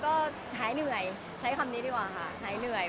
ก็หายเหนื่อยใช้คำนี้ดีกว่าค่ะหายเหนื่อย